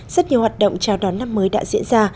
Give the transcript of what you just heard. rất nhiều hoạt động chào đón năm mới đã diễn ra